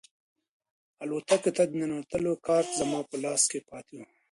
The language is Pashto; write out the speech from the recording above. الوتکې ته د ننوتلو کارت زما په لاس کې پاتې و.